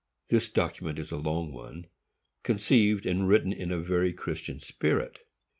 This document is a long one, conceived and written in a very Christian spirit.